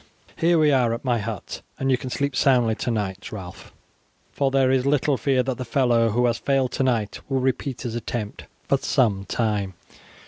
Here we are at my hut, and you can sleep soundly tonight, Ralph, for there is little fear that the fellow, who has failed tonight, will repeat his attempt for some time.